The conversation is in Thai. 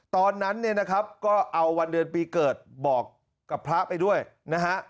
ตอนนั้นก็เอาวันเดือนปีเกิดบอกกับพระไปด้วยนะฮะ